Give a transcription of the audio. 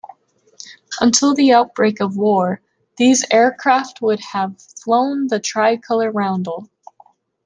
Until the outbreak of war, these aircraft would have flown the tri-color roundel.